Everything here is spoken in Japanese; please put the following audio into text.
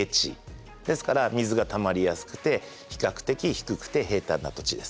ですから水がたまりやすくて比較的低くて平たんな土地です。